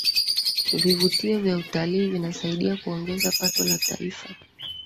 vivutio vya utalii vinasaidia kuongeza pato la taifa